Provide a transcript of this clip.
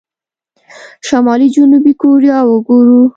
شمالي جنوبي کوريا وګورو.